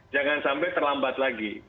jangan sampai terlambat lagi